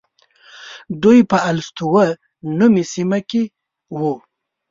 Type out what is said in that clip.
دوی په السطوة نومې سیمه کې وو.